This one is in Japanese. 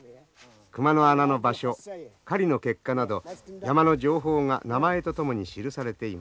熊の穴の場所狩りの結果など山の情報が名前と共に記されています。